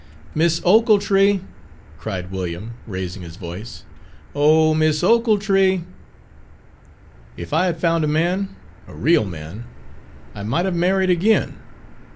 "Mis' Ochiltree!" cried William, raising his voice, "oh, Mis' Ochiltree!" "If I had found a man, a real man, I might have married again.